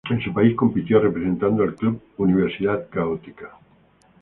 En su país compitió representando al club Universidad Católica.